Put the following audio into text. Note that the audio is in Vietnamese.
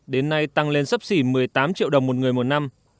đến nay tăng lên sấp xỉ một mươi tám triệu đồng một người một năm